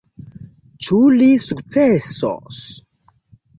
Ĉu li sukcesos?